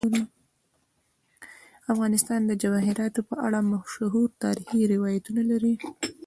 افغانستان د جواهرات په اړه مشهور تاریخی روایتونه لري.